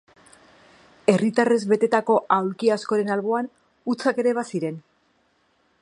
Herritarrez betetako aulki askoren alboan, hutsak ere baziren.